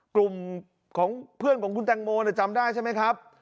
กลุ่มของเพื่อนของคุณแตงโมจำได้ใช่ไหมครับ